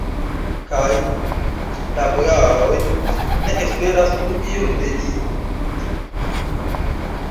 Kaj la bojaroj ne esperas plu ion de li.